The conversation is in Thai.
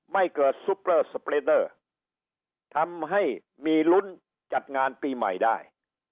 ไม่เกิดซุปเปอร์สเปรดเดอร์ทำให้มีลุ้นจัดงานปีใหม่ได้